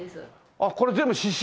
あっこれ全部刺繍。